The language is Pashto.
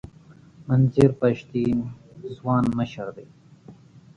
منظور پښتین ځوان مشر دی.